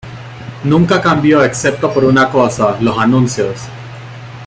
Nunca cambió excepto por una cosa: los anuncios.